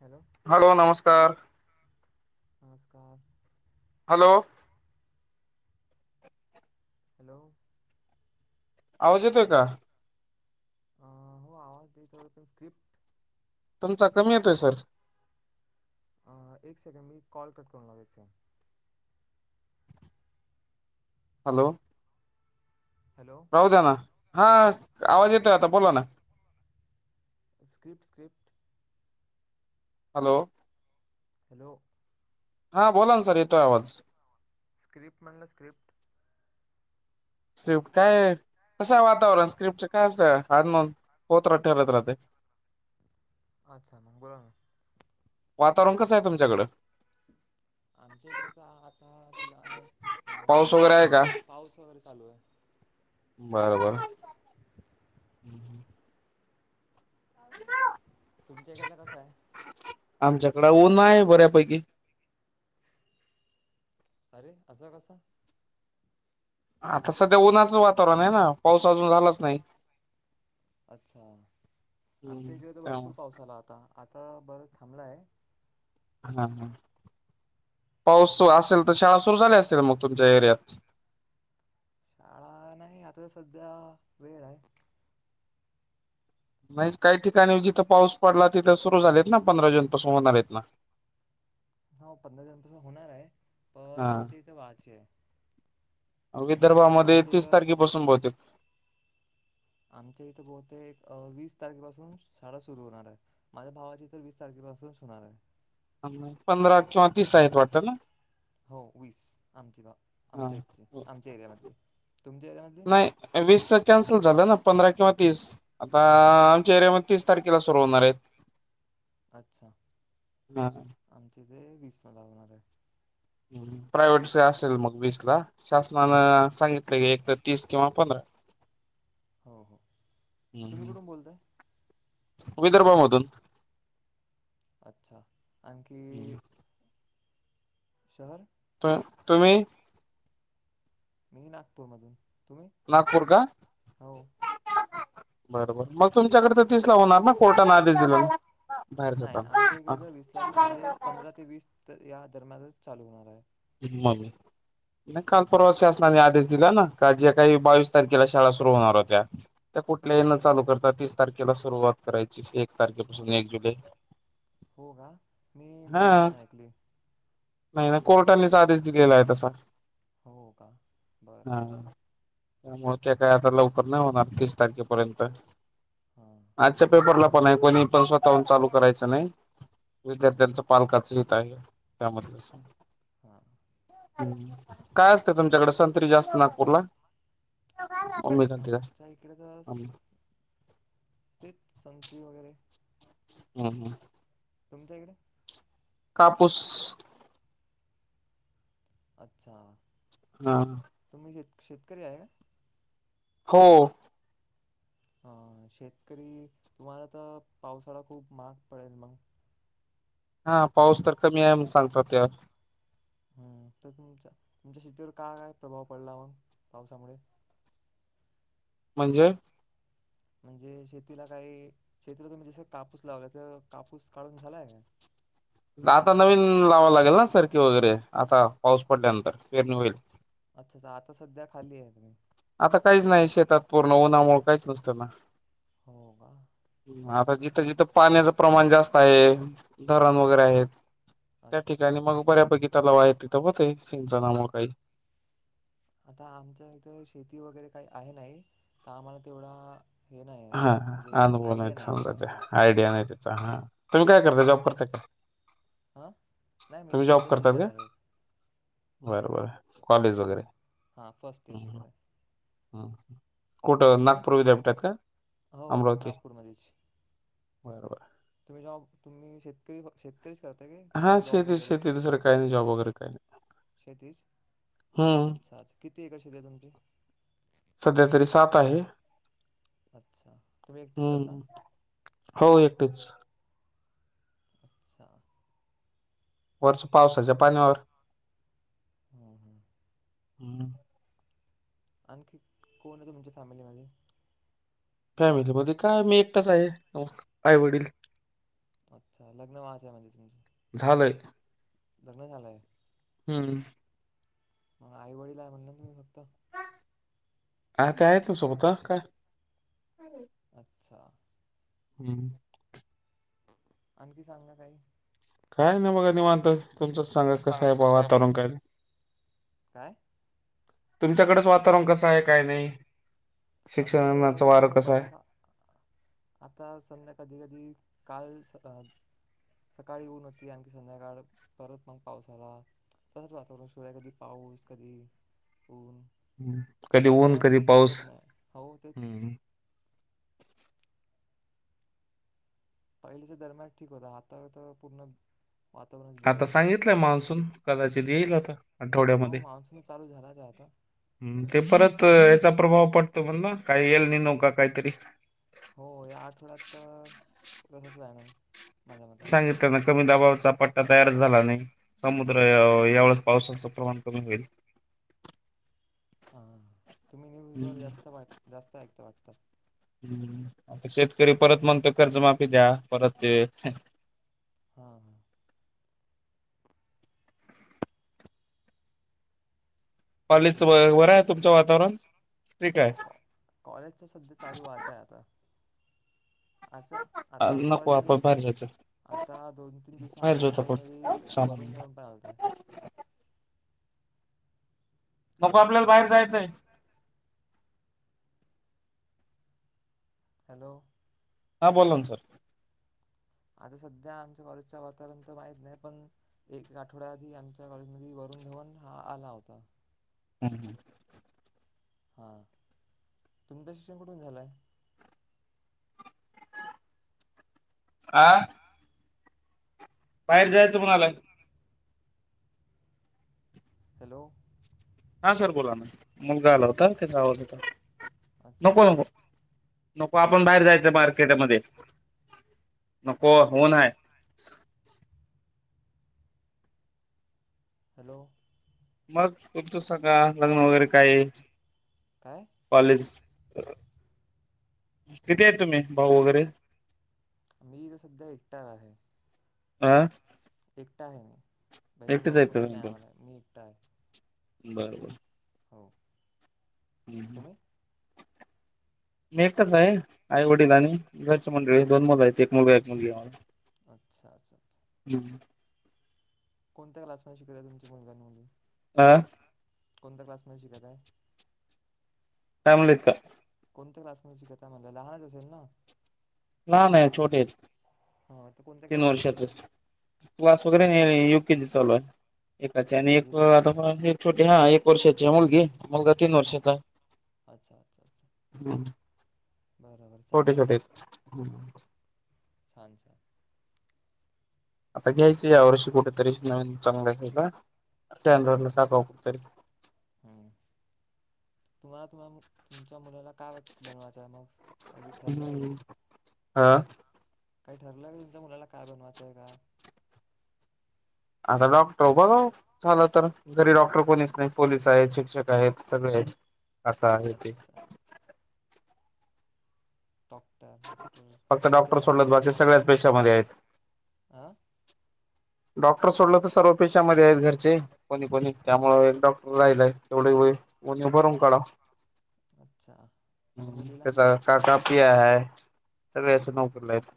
Hello hello नमस्कार. नमस्कार. Hello. Hello. आवाज येतोय का? अ हो आवाज येतोय पण स्क्रिप्ट तुमचा कमी येतोय सर. अ एक सेकंड मी कॉल कट करून [unintelligible] हॅलो. हॅलो राहू द्या ना हा आवाज येतोय आता बोला ना. Script script. हॅलो. हॅलो. हा बोला ना सर येतोय आवाज. स्क्रिप्ट म्हणला स्क्रिप्ट. स्विफ्ट आहे. कसंय वातावरण स्क्रिप्टच काय असत? आज न होत राहते [unintelligible] राहते अच्छा बोला वातावरण कसं हाय तुमच्याकडं आमच्या इकडे का आता फिलहाल पाऊस अं वगैरे आहे पाऊस वगैरे चालू हाय. बरोबर [inaudible] [unintelligible] तुमच्या इकडं ला कसाय? आमच्याकड ऊन आहे बऱ्यापैकी अरे, असा कसा? आता सध्या उन्हाचं वातावरण आहे ना पाऊस अजून झालाच नाही. अच्छा आमच्या इकडे तर भरपूर त्यामुळे पाऊस आला आता आता बरं थांबलाय. हा हा पाऊस पण असेल तर शाळा सुरू झाल्या असतील मग तुमच्या एरियात? शाळा नाही आता तर सध्या वेळ हाय. नाही काही ठिकाणी जिथं पाऊस पडला तिथं सुरू झालेत ना पंधरा जून पासून होणारेत ना. [unintelligible] हो, पंधरा जून पासून होणार हाय पण आमच्या हा इथे व्हा ची हाय. विदर्भामध्ये तीस तारखेपासून बहुतेक. आमच्या इथं बहुतेक अं वीस तारखेपासून शाळा सुरु होणार हाय माझ्या भावाची तर वीस तारखे पासून स होणार हाय. पंधरा किंवा तीस आहेत वाटतं ना? हो वीस आमची भा हा, आमच्या इथची आमच्या एरियामधली तुमच्या एरियामधली नाही वीस च कॅन्सल झालं ना? पंधरा किंवा तीस आता आ आमच्या एरिया मधे तीस तारखेला सुरू होणार आहेत. अच्छा, हा आमचे इथे वीस ला लागणार हाय. प्रायव्हेट च असेल मग वीस ला हो शासनानं सांगितलंय की एक तर तीस किंवा पंधरा. हो हो तुम्ही कुठून बोलताय? विदर्भामधून अच्छा आणखी शहर. त तुम्ही मी नागपूर मधून, तुम्ही? नागपूर का हो. बरोबर. मग तुमच्याकड तर तिसला होणार ना कोर्टान आदेश दिल. नाही आमच्या इकडे तर वीसला म्हणजे पंधरा ते वीस या दरम्यानच चालू होणार हाय. ममी. नाय काल परवा शासनाने आदेश दिला ना का ज्या काही बावीस तारखेला शाळा सुरु होणार होत्या - - त्या कुठल्या येन चालू करतात तीस तारखेला सुरुवात करायची. एक तारखेपासून एक जुलै हो का? मी हा न्यूज नाही ऐकली. नाही, नाही. कोर्टानीच आदेश दिलेला आहे तसा. हो का बरं हा. बरं त्यामुळे ते काही आता लवकर नाही होणार तीस तारखेपर्यंत तर हां आजच्या पेपरला पण आहे. कोणी पण स्वतःहून चालू करायचं नाही. हं. विद्यार्थ्यांच पालकाच हेत आहे त्यामधलं अस हां हम् काय असतं तुमच्याकडे? संत्री जास्त नागपूरला. मम्मी घालते जास्त आमच्या इकडे तर, हम्म तेच संत्री वगैरे हम्. हम. तुमच्या इकडे? कापूस. अच्छा. हा. तु शेतकरी आहे? हो. अ शेतकरी तुम्हाला तर पावसाळा खूप महाग पडेल मग - - हा पाऊस तर कमी आहे म्हण सांगतात त्या. हम्म. तर तुमचा तुमच्या शेतीवर का काय प्रभाव पडला मग पावसामुळे. म्हणजे? म्हणजे शेतीला काही शेतीला तुम्ही जसं कापूस लावला तर कापूस काढून झालाय का? आता नवीन लावा लागेल ना सरखी वगैरे आता पाऊस पडल्यानंतर पेरणी होईल. अच्छा अच्छा आता सध्या खाली आहे तुम्ही आता काहीच नाही शेतात पूर्ण उन्हामुळे. काहीच नसत ना. हो का बरं आता बरं जिथं जिथं पाण्याच प्रमाण जास्त आहे. धरण - - वगैरे आहेत त्या अच्छा ठिकाणी मग बऱ्यापैकी तलावाय तिथं होतयं सिंचनामुळ काही. आता आमच्या इथे शेती वगैरे काही आहे नाही. तर आम्हाला तेवढा हे नाही आहे हा म्हणजे अनुभव नाही आयडिया आहे समजा आम्हाला त्या. तेवढा आयडिया नाही त्याचा. हा तुम्ही काय करता जॉब करताय का? हा. नाही मी ते तुम्ही जॉब सध्या करतात शिकत का आहे. बरं, बरं. कॉलेज हा वगैरे हा फस्ट ती अशी काय? हा. कुठं? नागपूर विद्यापीठात का हो अमरावती नागपूरमध्येच बरबर. तुम्ही जेव्हा तुम्ही शेतकरी [unintelligible] की हा की जॉब शेती वगैरे शेती दुसरं काही नाही जॉब वगैरे काही नाही. शेतीच हं. अच्छा अच्छा किती एकर शेती हाय तुमची? सध्या तरी सात आहे. अच्छा तुम्ही एकटेच करता हम्म. हो एकटेचं. अच्छा. वर्ष पावसाच्या पाण्यावर. हम्, हम्. हम्म. आणखी कोण आहे तुमच्या फॅमिलीमध्ये? फॅमिलीमध्ये काय मी एकटच आहे आईवडील. अच्छा लग्न वाच आहे म्हणजे झालंय. तुमचं लग्न झालंय. हम्. मग आई वडीलला आहे म्हणले तुमी फक्त. आता आहे तू सोबत का? अच्छा हम्म. आणखी सांगा काही. काय नाही बघा निवांत. तुमचंच सांगा कसं आहे बा? वातावरण काय? काय? तुमच्याकडेच वातावरण कसं आहे? काय नाही? आमच्याकडे शिक्षणाचं वातावरण वारं तर कसं आहे? बरफ आता संध्या कधी कधी- काल स- सकाळी ऊन होती आणखी संध्याकाळ परत मग पाऊस आला. तसंच वातावरण शिय कधी पाऊस कधी- ऊन कधी ऊन वातावरण कधी काय पाऊस. समजत नाही हो तेच. हं. पहिलीच्या दरम्यान ठीक होता. आता तर पूर्ण- वातावरणच आता बिघडलेलं आहे. सांगितलंय मान्सून, कदाचित येईल आता. हो आठवड्यामध्ये. मान्सून चालू झालाच आहे आता हम् ते परत- याचा प्रभाव पडतो म्हण ना, काही येल निनो का काहीतरी? हो, या आठवड्यात तर तसच राहणार. माझ्या मतानं सांगित ना कमी दाबाचा पट- तयार झाला आणि समुद्र यावेळेस पावसाचं प्रमाण कमी होईल. हा. तुम्ही न्यूज वर हम्म, जास्त, जास्त ऐकता वाटत? हम्. आता शेतकरी परत म्हणतो कर्ज माफी द्या. परत ते- हा. पालीच बरं आहे तुमचं वातावरण? ठीक आहे कॉलेजचा सध्या चालू वायचाय आता. आ अ, आता आमच्या नको आपण कॉलेजमध्ये- बाहेर जायचं आता दोन तीन दिवसा बाहेर आधी जाऊत आमच्या आपण कॉलेजमध्ये सामान घेऊन. भरून ऊून पण आलतय. नको हॅलो आपल्याला बाहेर जायचंय. हॅलो. हा. बोला ना सर. आता सध्या आमच्या कॉलेजच्या वातावरण तर माहित नाही. पण एक आठवड्या आधी आमच्या कॉलेजमध्ये- [unintelligible] हा आला होता. हम्. हा. तुमचं शिक्षण कुठून झालंय? आ? बाहेर जायचं म्हणालाय. हॅलो. हा सर बोला ना. मुलगा आला होता त्याचा आवाज होता. अच्छा नको नको नको आपण बाहेर जायचंय मार्केटमध्ये. नको [unintelligible] हॅलो. मग तुमचं सगळं लग्न वगैरे काय? काय कॉलेज- किती आहे तुम्ही? भाऊ वगैरे- मी तर सध्या एकटा आहे. आं? एकटा आहे मी. बहीण भाऊ कोणी नाही आम्हाला मी एकटा आहे. बरोबर. हो. हम्म. तुम्ही मी एकटाच आहे आई वडील आणि घरच्या मंडळी दोन मुल आहेत. एक मुलगा एक मुलगी मला. अच्छा अच्छा अच्छा. कोणत्या क्लासमध्ये शिकलाय तुमच्या मुलगां आणि मुलगि? आ. कोणत्या क्लासमध्ये शिकत हाय? [unintelligible] कोणत्या क्लासमध्ये शिकत आहे म्हणल लहानच असेल ना? लहान आहे. छोटीआय हां तर कोणत्या तीन क्लासमध्ये वर्षाची शिकत आहे [unintelligible] युके जी चालू हाय एकाची आणि अच्छा यू एक के जी यू आता के जी छोटे हा एक वर्षाची मुलगी. मुलगा तीन अच्छा वर्षाचा अच्छा अच्छा अच्छा हम्. बरं बरं छोटे चांगलं आहे छोटे हं. छान छान. आता घ्यायचं यावर्षी कुठेतरी नवीन चांगलं [unintelligible] हां [unintelligible] हां साखव तरी हं. तुम्हाला तुम -तुमच्या मुलाला काय [unintelligible] बनवायचं हाय मग काय बी ठरलंय काय? अ. काय ठरलंय तुमच्या मुलाला काय बनवायचंय का? आता डॉक्टर बनवु झालं तर घरी डॉक्टर कोणीच नाही. पोलीस आहेत. शिक्षक आहेत सगळे आहेत. असा आहे ते. अच्छा डॉक्टर डॉक्टर फक्त डॉक्टर सोडलात बाकी सगळ्याच पेशामध्ये आहेत. आ डॉक्टर सोडलं तर सर्व पेशामध्ये आहेत घरचे कोणी कोणी त्यामुळ एक डॉक्टर राहिलाय तेवढ होईल उणीव भरून काढा. अच्छा आणि ह् मुलीला त्याचा काका हे हाय सगळे असे नोकरीला हाईत.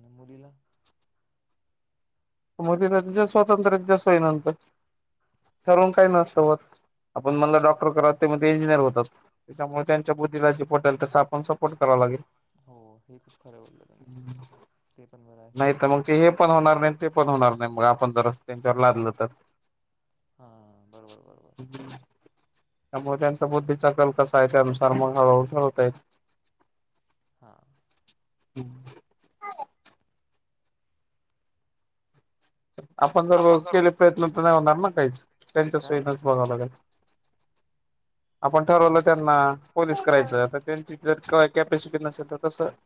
म मुलीला मुलीला तिच्या स्वतंत्र्य [unintelligible] सोई नंतर ठरवून काय नसत होत. आपण म्हणलं डॉक्टर करात ते म्हणते इंजिनियर होतात. त्याच्यामुळे त्यांच्या बुद्धीला जे पटेल तस आपण सपोर्ट करावा लागेल. हो हे खूप खरं बोललं. ते पण बरं हाय. नाही तर मग ते हे पण होणार नाही ते पण होणार नाही, मग आपण जर अस त्यांच्यावर लादलो तर. हा बरोबर बरोबर. त्यामुळे त्यांचा बुद्धीचा कल कसाय त्यानुसार मग हळुहळु ठरवता येत. हा. हम्म. आपण जर केले प्रयत्न तर नाही होणार ना काहीच त्यांच्या काय सोईनच बघावं लागलं. आपण काय ठरवलं मग त्यांना पोलीस हां करायचं. आता त्यांची जर कॅपॅसिटी नसेल तर तसं - -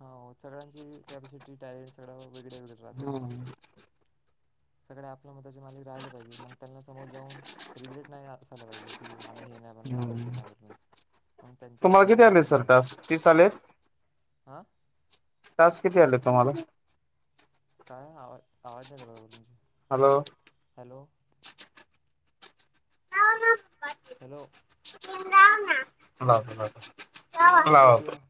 अ हो सगळ्यांची कॅपॅसिटी टॅलेंट सगळं वेगळे वेगळे राहते ना. सगळ्या - - [unintelligible] राहिले पाहिजे मग त्यांना समोर जाऊन रिग्रेट नाही असायला पाहिजे की आम्ही हे नाही म्हण आम् [unintelligible] तुम्हाला किती आले सर टास्क तीस आलेत? अ टास्क किती आले तुम्हाला? काय आवा आवाज नाहीे येता बराबर तुमची. हॅलो! हॅलो! [unintelligible] हॅलो! [unintelligible] चला मग लावतो भेटूया.